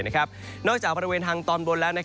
นอกจากบริเวณทางตอนบนแล้ว